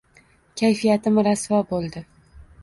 Kayfiyatim rasvo bo‘ldi